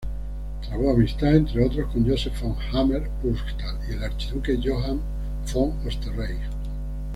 Trabó amistad, entre otros, con Joseph von Hammer-Purgstall y el archiduque Johann von Österreich.